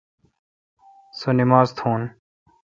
سو نماز تھون۔